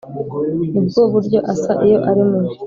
nibwo buryo asa iyo ari mubi